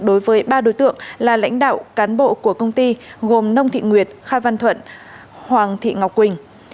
đối với ba đối tượng là lãnh đạo cán bộ của công ty gồm nông thị nguyệt kha văn thuận hoàng thị ngọc quỳnh